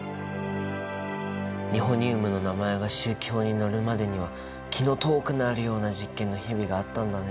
ニホニウムの名前が周期表に載るまでには気の遠くなるような実験の日々があったんだね。